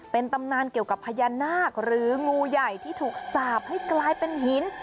เป็นตำนานเกี่ยวกับพญานาคหรืองูใหญ่ที่ถูกสาปให้กลายเป็นหิน